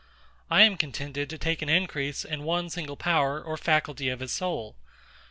I am contented to take an increase in one single power or faculty of his soul.